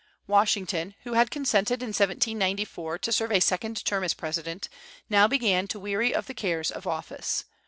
Washington, who had consented in 1794 to serve a second term as president, now began to weary of the cares of office.